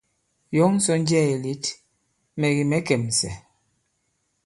Yɔ̌ŋ sɔ nnjɛɛ̄ ì lět, mɛ̀ kì mɛ̌ kɛ̀msɛ̀.